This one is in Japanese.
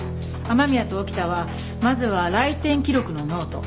雨宮と沖田はまずは来店記録のノート。